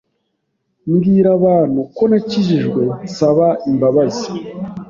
mbwira abantu ko nakijijwe nsaba imbabazi